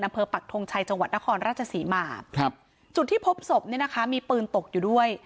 ปักทงชัยจังหวัดนครราชศรีมาครับจุดที่พบศพเนี่ยนะคะมีปืนตกอยู่ด้วย